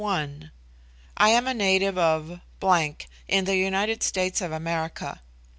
I am a native of _____, in the United States of America.